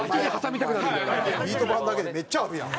ビート板だけでめっちゃあるやん。